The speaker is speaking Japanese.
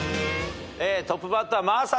トップバッター真麻さん。